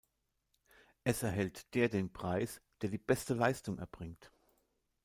Es erhält der den Preis, der die „beste Leistung“ erbringt.